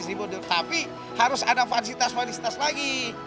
estimasi ribu tapi harus ada falsitas falsitas lagi